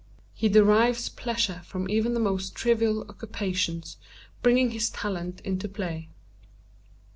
_ He derives pleasure from even the most trivial occupations bringing his talent into play.